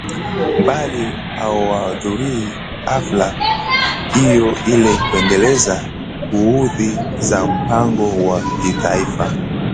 mbali wanahudhuria hafla hiyo ili kuendeleza juhudi za mpango wa Kitaifa